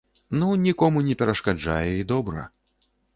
Ну, нікому не перашкаджае і добра.